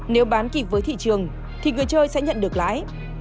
nếu bán kịp với thị trường thì người chơi sẽ nhận được lãi